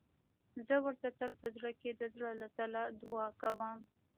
زه ورته تل په زړه کې د زړه له تله دعا کوم.